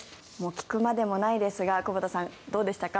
聞くまでもないですが久保田さんどうでしたか？